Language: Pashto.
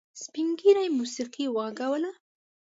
سپین ږيري موسيقي وغږوله.